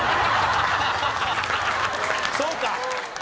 そうか。